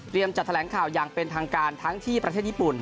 จะแถลงข่าวอย่างเป็นทางการทั้งที่ประเทศญี่ปุ่น